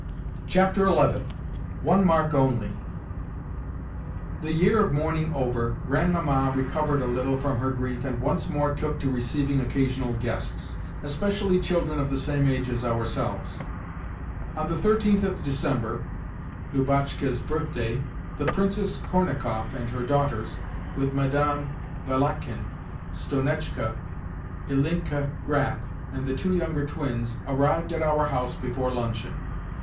XI. ONE MARK ONLY The year of mourning over, Grandmamma recovered a little from her grief, and once more took to receiving occasional guests, especially children of the same age as ourselves. On the 13th of December—Lubotshka's birthday—the Princess Kornakoff and her daughters, with Madame Valakhin, Sonetchka, Ilinka Grap, and the two younger Iwins, arrived at our house before luncheon.